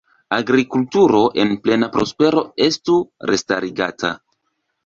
Agrikulturo en plena prospero estu restarigata.